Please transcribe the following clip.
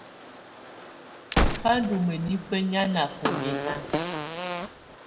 Bá ndɔ́ mǝ́nifǝ́ nyáa na bɔnyɛ́na.